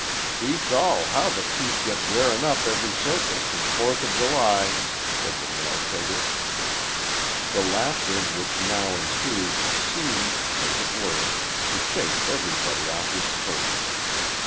"Beats all how the teeth git t' rairin' up ev'ry circus an' Fourth o' July," said the nail kegger. The laughter which now ensued seemed, as it were, to shake everybody off his perch.